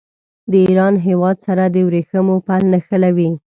د ایران هېواد سره د ورېښمو پل نښلوي.